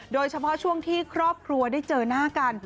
โดยเฉพาะช่วงที่ครอบครัวได้เจอหน้ากัน